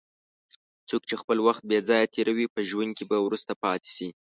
څوک چې خپل وخت بې ځایه تېروي، په ژوند کې به وروسته پاتې شي.